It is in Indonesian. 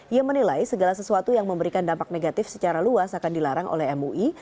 ia menilai segala sesuatu yang memberikan dampak negatif secara luas akan dilarang oleh mui